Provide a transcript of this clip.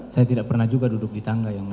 saya tidak pernah juga duduk di tangga yang mulia